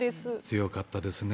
強かったですね。